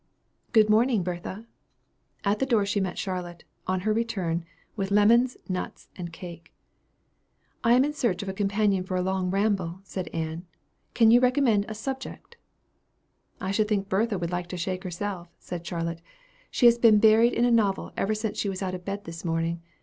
"Good morning, Bertha." At the door she met Charlotte, on her return, with lemons, nuts, and cake. "I am in search of a companion for a long ramble," said Ann. "Can you recommend a subject?" "I should think Bertha would like to shake herself," said Charlotte. "She has been buried in a novel ever since she was out of bed this morning.